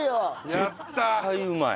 絶対うまい。